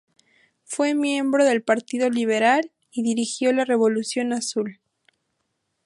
Fue miembro del Partido Liberal, y dirigió la Revolución Azul.